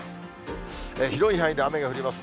広い範囲で雨が降ります。